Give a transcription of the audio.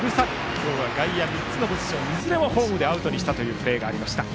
今日は外野３つのポジションでいずれもホームでアウトにしたプレーがありました。